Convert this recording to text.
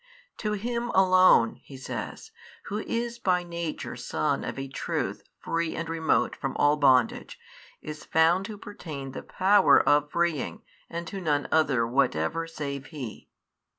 To Him Alone (He says) Who is by Nature Son of a Truth free and remote from all bondage is found to pertain the power of freeing and to none other whatever save He.